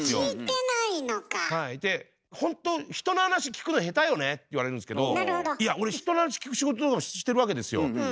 はいで「ほんと人の話聞くの下手よね」って言われるんすけどいや俺人の話聞く仕事してるわけですよ。